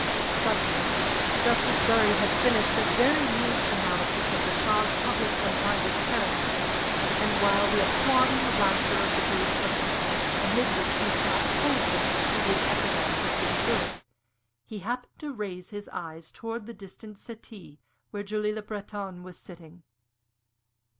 Suddenly just as Bury had finished a very neat analysis of the Shah's public and private character, and while the applauding laughter of the group of intimates amid which he sat told him that his epigrams had been good he happened to raise his eyes towards the distant settee where Julie Le Breton was sitting.